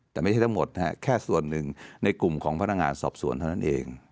แต่ไม่ใช่ทั้งหมดแค่ส่วนหนึ่งในกลุ่มของพนักงานสอบสวนเท่านั้นเอง